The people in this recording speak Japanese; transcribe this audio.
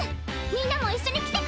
みんなも一緒に来てくれる？